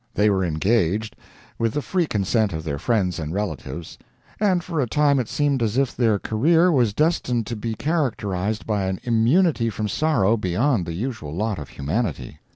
They were engaged, with the free consent of their friends and relatives, and for a time it seemed as if their career was destined to be characterized by an immunity from sorrow beyond the usual lot of humanity.